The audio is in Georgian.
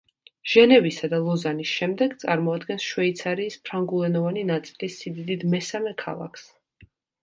ჟენევისა და ლოზანის შემდეგ, წარმოადგენს შვეიცარიის ფრანგულენოვანი ნაწილის სიდიდით მესამე ქალაქს.